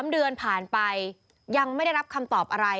๓เดือนผ่านไปยังไม่ได้รับคำตอบอะไร